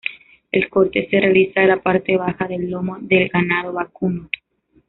El corte se realiza de la parte baja del lomo de ganado vacuno.